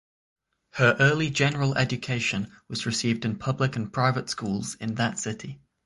Her early general education was received in public and private schools in that city.